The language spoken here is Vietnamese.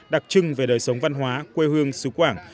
đặc trưng về đời sống văn hóa quê hương xứ quảng